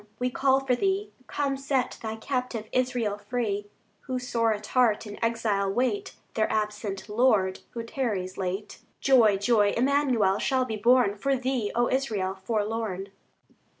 we call for Thee; Come, set Thy captive Israel free, Who, sore at heart, in exile wait Their absent Lord, who tarries late. Joy, joy, Emmanuel shall be born For thee, O Israel, forlorn.